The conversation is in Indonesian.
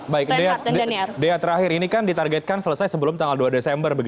baik dea terakhir ini kan ditargetkan selesai sebelum tanggal dua desember